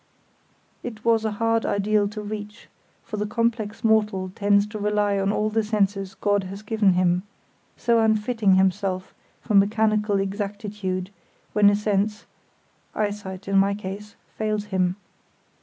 It was a hard ideal to reach, for the complex mortal tends to rely on all the senses God has given him, so unfitting himself for mechanical exactitude when a sense (eyesight, in my case) fails him.